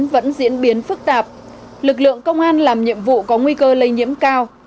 vẫn diễn biến phức tạp lực lượng công an làm nhiệm vụ có nguy cơ lây nhiễm cao